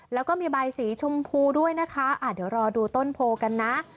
แล้วก็มีใบสีชมพูด้วยนะคะเดี๋ยวรอดูต้นโพกันนะ